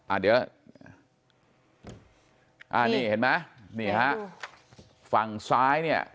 อ่าเดี๋ยวอ่านี่เห็นไหมนี่ฮะฝั่งซ้ายเนี่ย